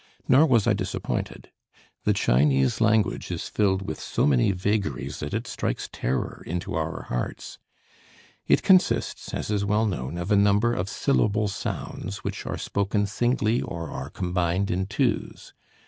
Nor was I disappointed. The Chinese language is filled with so many vagaries that it strikes terror into our hearts. It consists, as is well known, of a number of syllable sounds which are spoken singly or are combined in twos.